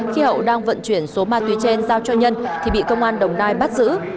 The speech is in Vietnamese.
khi hậu đang vận chuyển số ma túy trên giao cho nhân thì bị công an đồng nai bắt giữ